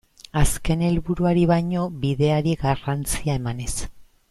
Azken helburuari baino bideari garrantzia emanez.